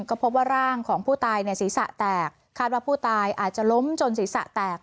ก็พบว่าร่างของผู้ตายเนี่ยศีรษะแตกคาดว่าผู้ตายอาจจะล้มจนศีรษะแตก